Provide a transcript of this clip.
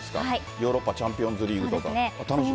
ヨーロッパチャンピオンズリーグとか、楽しみ？